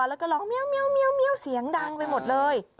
แล้วก็ร้องเมียวเสียงดังไปหมดเลย